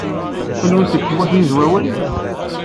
Kenwi seg Tmurt n Yizwawen?